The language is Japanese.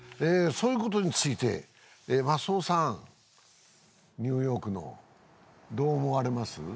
そういうことについて増尾さんニューヨークのどう思われます？